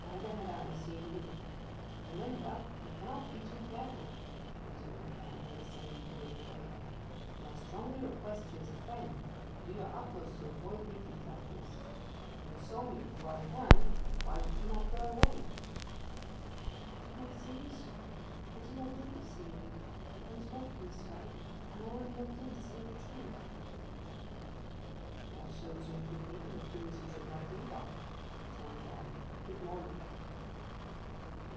Neither had I of seeing you. Remember you cannot be too careful,' continued the Baron, in the same grave tone; 'and I strongly request you as a friend to do your utmost to avoid meetings like this. When you saw me before I turned, why did you not go away?' 'I did not see you, sir. I did not think of seeing you. I was walking this way, and I only looked in to see the tree.' 'That shows you have been thinking of things you should not think of,' returned the Baron. 'Good morning.